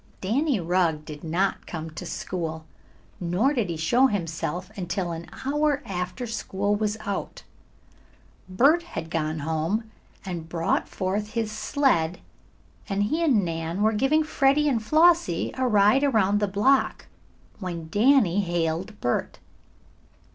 Danny Rugg did not come to school, nor did he show himself until an hour after school was out. Bert had gone home and brought forth his sled, and he and Nan were giving Freddie and Flossie a ride around the block when Danny hailed Bert.